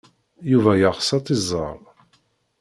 Yuba yeɣs ad t-iẓer.